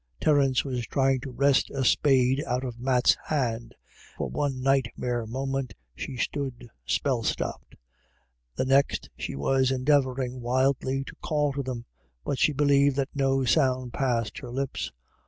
Terence was trying to wrest a spade out of Matt's hand. For one nightmare moment she stood spell stopped ; the next, she was endeavouring wildly to call to them, but she believed that no sound passed her lips.